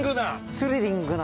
スリリングな。